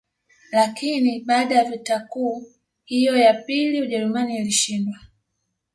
Lakini baada ya vita kuu hiyo ya pili Ujerumani ilishindwa